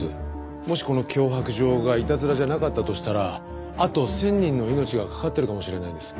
もしこの脅迫状がいたずらじゃなかったとしたらあと１０００人の命が懸かってるかもしれないんです。